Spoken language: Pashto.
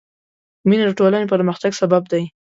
مینه د ټولنې پرمختګ سبب دی.